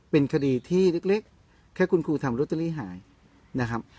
เป็นคดีที่เล็กแค่คุณครูทำลอตเตอรี่หายนะครับ